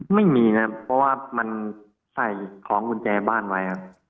ไม่มีนะเพราะว่ามันใส่ของกุญแจบ้านไว้ครับ